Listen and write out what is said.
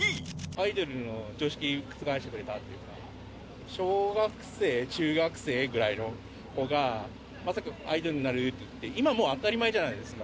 アイドルの常識、覆してくれたっていうか、小学生、中学生ぐらいの子が、まさかアイドルになれるって、今はもう当たり前じゃないですか。